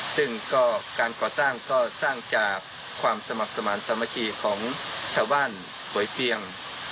ซึ่งก็การก่อสร้างก็สร้างจากความสมัครสมาธิสามัคคีของชาวบ้านป่วยเพียง